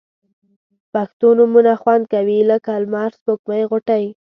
پښتو نومونه خوند کوي لکه لمر، سپوږمۍ، غوټۍ